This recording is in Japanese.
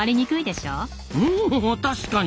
おお確かに。